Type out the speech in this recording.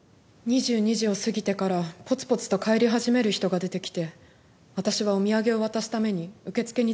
２２時を過ぎてからぽつぽつと帰り始める人が出てきて私はお土産を渡すために受付にずっといたんです。